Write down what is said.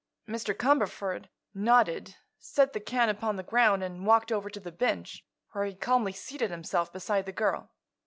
Mr. Cumberford nodded, set the can upon the ground and walked over to the bench, where he calmly seated himself beside the girl.